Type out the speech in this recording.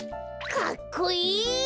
かっこいい！